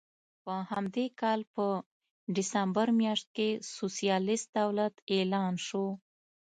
په همدې کال په ډسمبر میاشت کې سوسیالېست دولت اعلان شو.